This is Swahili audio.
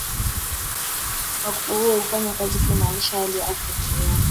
Wakfu huo hufanya kazi kuimarisha hali ya afya duniani